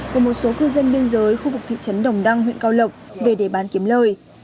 của một số cư dân biên giới khu vực thị trấn đồng đăng huyện cao lộc về để bán kiếm lời